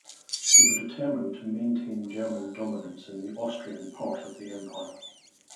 They were determined to maintain German dominance in the Austrian part of the empire.